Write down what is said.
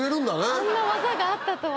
そんな技があったとは。